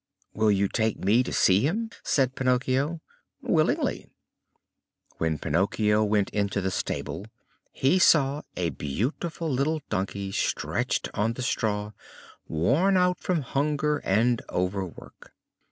"Will you take me to see him?" said Pinocchio. "Willingly." When Pinocchio went into the stable he saw a beautiful little donkey stretched on the straw, worn out from hunger and overwork.